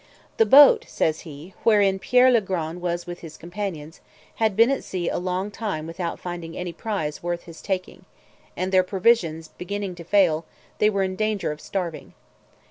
"The boat," says he, "wherein Pierre le Grand was with his companions, had been at sea a long time without finding any prize worth his taking; and their provisions beginning to fail, they were in danger of starving.